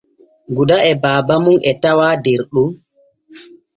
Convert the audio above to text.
Guda e baaba mum e tawaa der ɗon.